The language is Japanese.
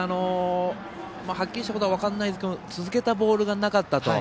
はっきりしたことは分かりませんが続けたボールがなかった。